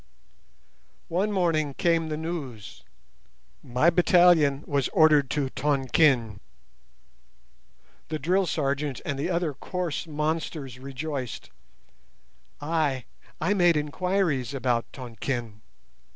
"One morning came the news; my battalion was ordered to Tonquin. The drill sergeant and the other coarse monsters rejoiced. I—I made enquiries about Tonquin.